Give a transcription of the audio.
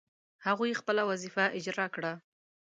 هغوی خپله وظیفه اجرا کړه.